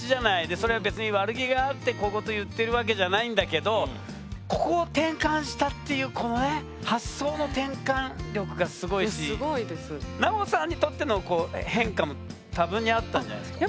それは別に悪気があって小言言ってるわけじゃないんだけどここを転換したっていうこのね奈緒さんにとっての変化も多分にあったんじゃないですか？